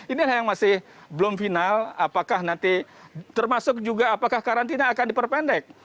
inilah yang masih belum final apakah nanti termasuk juga apakah karantina akan diperpendek